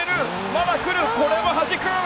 まだ来る、これをはじく！